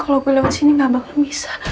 kalau gue lewat sini gak bakal bisa